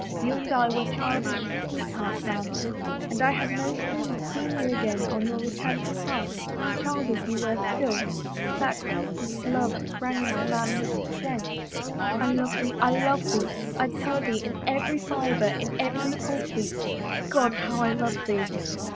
You and I were childish sweethearts, Anne, and I had no sooner seen you again on your return from France, child as you were still, but that infant love sprang into manhood's strength. I love thee — I love thee, I tell thee, in every fiber, in every pulse beat. God, how I love thee